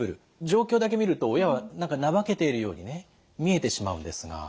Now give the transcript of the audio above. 状況だけ見ると親は何か怠けているようにね見えてしまうんですが。